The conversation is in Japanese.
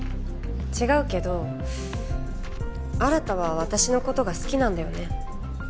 違うけど新は私の事が好きなんだよね。